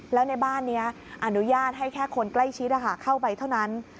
แล้วในบ้านนี้อนุญาตให้แค่คนใกล้ชิดเข้าไปเท่านั้น